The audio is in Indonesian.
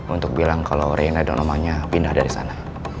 untuk bilang kalau reina dan namanya pindah dari sana